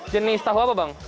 jenis tahu apa bang